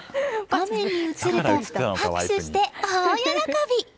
画面に映ると拍手して大喜び。